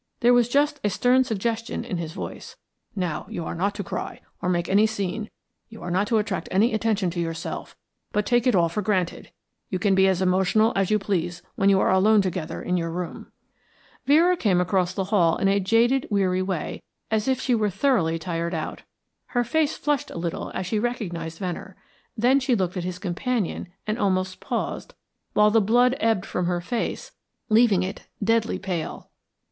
There was just a stern suggestion in his voice. "Now, you are not to cry or make any scene, you are not to attract any attention to yourself, but take it all for granted. You can be as emotional as you please when you are alone together in your room." Vera came across the hall in a jaded, weary way, as if she were thoroughly tired out. Her face flushed a little as she recognised Venner. Then she looked at his companion and almost paused, while the blood ebbed from her face, leaving it deadly pale.